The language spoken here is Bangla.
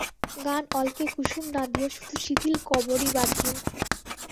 গান অলকে কুসুম না দিয়ো, শুধু শিথিলকবরী বাঁধিয়ো।